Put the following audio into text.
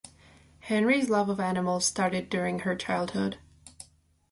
Henry's love of animals started during her childhood.